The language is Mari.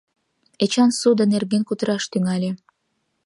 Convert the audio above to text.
Эчан ссуда нерген кутыраш тӱҥале.